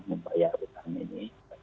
membayar utang ini